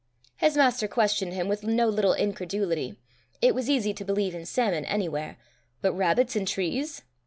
His master questioned him with no little incredulity. It was easy to believe in salmon anywhere, but rabbits in trees!